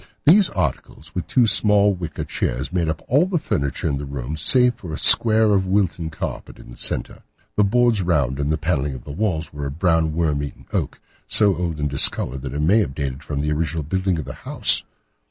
These articles, with two small wicker work chairs, made up all the furniture in the room save for a square of Wilton carpet in the centre. The boards round and the panelling of the walls were of brown, worm eaten oak, so old and discoloured that it may have dated from the original building of the house.